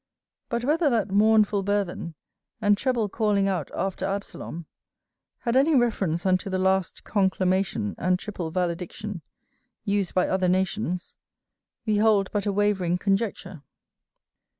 But whether that mournful burthen, and treble calling out after Absalom, had any reference unto the last conclamation, and triple valediction, used by other nations, we hold but a wavering conjecture.